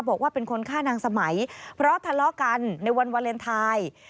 บอกว่าเป็นคนฆ่านางสมัยเพราะทะเลาะกันในวันวาเลนไทย